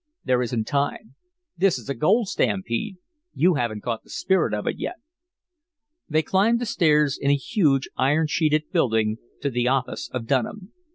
"There isn't time this is a gold stampede. You haven't caught the spirit of it yet." They climbed the stairs in a huge, iron sheeted building to the office of Dunham.